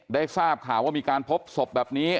ได้ทราบข่าวว่ามีการพบศพแบบนี้